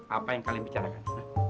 apa yang kalian bicarakan